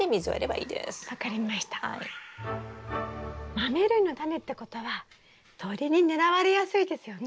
マメ類のタネってことは鳥に狙われやすいですよね。